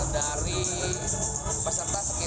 dari jogja hingga bali